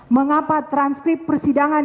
mengapa transkrip persidangan